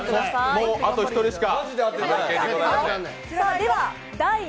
もう、あと１人しか。